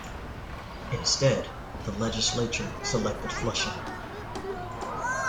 Instead the legislature selected Flushing.